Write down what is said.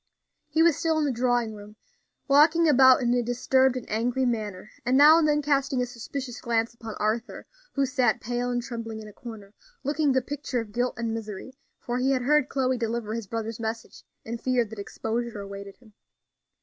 He was still in the drawing room, walking about in a disturbed and angry manner, and now and then casting a suspicious glance upon Arthur, who sat pale and trembling in a corner, looking the picture of guilt and misery; for he had heard Chloe deliver his brother's message, and feared that exposure awaited him.